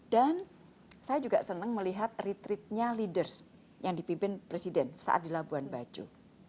dan saya juga senang melihat retreat nya leaders yang dipimpin presiden saat di labuan bajo